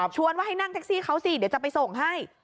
ว่าให้นั่งแท็กซี่เขาสิเดี๋ยวจะไปส่งให้